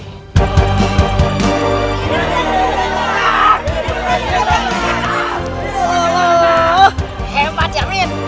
hebat ya min